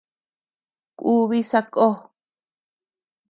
Kùbi sakó.